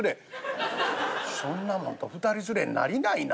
「そんなもんと２人連れになりないな。